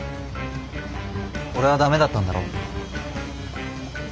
俺はダメだったんだろ。